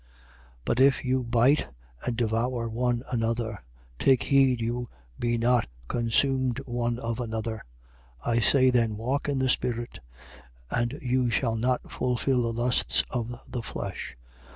But if you bite and devour one another: take heed you be not consumed one of another. 5:16. I say then: Walk in the spirit: and you shall not fulfill the lusts of the flesh.